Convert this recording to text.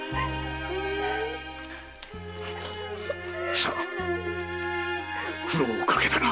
ふさ苦労をかけたな。